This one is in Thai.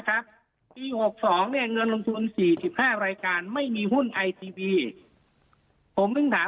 ครับปี๖๒เนี่ยเงินลงทุน๔๕รายการไม่มีหุ้นไอทีวีผมถึงถาม